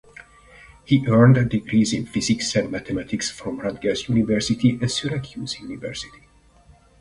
He earned degrees in physics and mathematics from Rutgers University and Syracuse University.